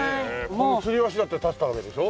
つり橋だって建てたわけでしょ？